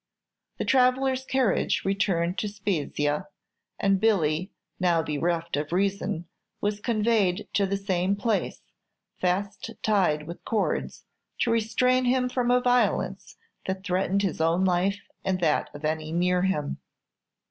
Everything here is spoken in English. The traveller's carriage returned to Spezia, and Billy, now bereft of reason, was conveyed to the same place, fast tied with cords, to restrain him from a violence that threatened his own life and that of any near him.